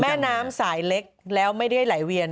เอาไปเก็บได้